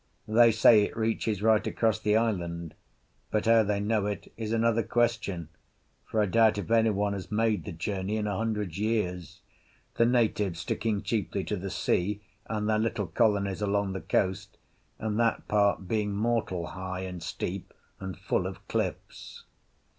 They say it reaches right across the island, but how they know it is another question, for I doubt if anyone has made the journey in a hundred years, the natives sticking chiefly to the sea and their little colonies along the coast, and that part being mortal high and steep and full of cliffs.